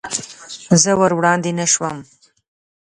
زه ور وړاندې نه شوم.